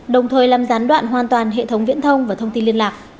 đồng thời làm gián đoạn hoàn toàn hệ thống viễn thông và thông tin liên lạc